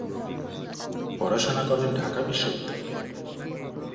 পড়াশোনা করেন ঢাকা বিশ্ববিদ্যালয়ে।